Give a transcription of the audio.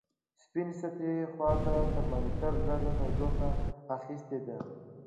سپینې سطحې خواته ترمامتر لږه تودوخه اخستې ده.